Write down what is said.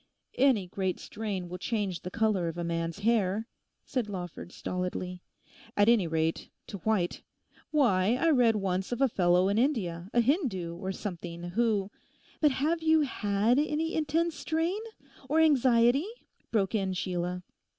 'Any great strain will change the colour of a man's hair,' said Lawford stolidly; 'at any rate, to white. Why, I read once of a fellow in India, a Hindoo, or something, who—' 'But have you had any intense strain, or anxiety?' broke in Sheila.